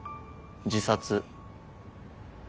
自殺。